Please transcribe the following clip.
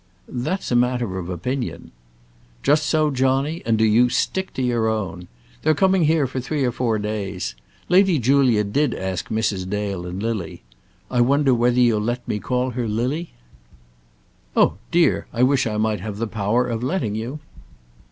"That's a matter of opinion." "Just so, Johnny; and do you stick to your own. They're coming here for three or four days. Lady Julia did ask Mrs. Dale and Lily. I wonder whether you'll let me call her Lily?" "Oh, dear! I wish I might have the power of letting you."